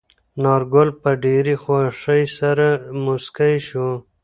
انارګل په ډېرې خوښۍ سره موسکی شو.